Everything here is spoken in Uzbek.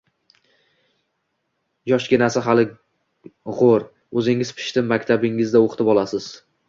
Yoshginasi hali g`o`r, o`zingiz pishitib, maktabingizda o`qitib olasiz